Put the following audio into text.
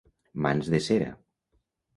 Mans de cera.